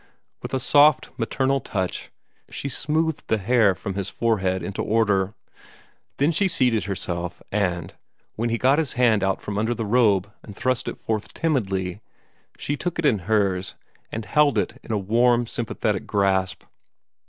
With a soft, maternal touch, she smoothed the hair from his forehead into order. Then she seated herself, and, when he got his hand out from under the robe and thrust it forth timidly, she took it in hers and held it in a warm, sympathetic grasp.